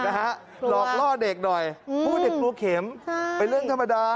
หลอกล่อเด็กหน่อยรู้เข็มไปเล่นธรรมดา